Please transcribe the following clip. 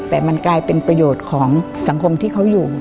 แต่มันกลายเป็นประโยชน์ของสังคมที่เขาอยู่